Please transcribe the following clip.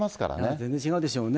全然違うでしょうね。